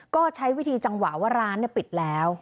ก็ใช้วิธีจังหวะว่าร้านปิดแล้ว